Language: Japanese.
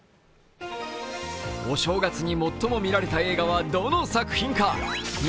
お正月に最も見られた映画はどの作品か。